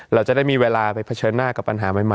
เราจะได้มีเวลาไปเผชิญหน้ากับปัญหาใหม่